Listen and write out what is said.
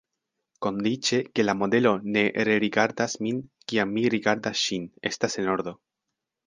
Kondiĉe, ke la modelo ne rerigardas min, kiam mi rigardas ŝin, estas en ordo.